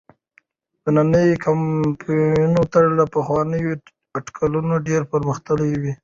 نننی کمپيوټر له پخوانيو اټکلونو ډېر پرمختللی دی.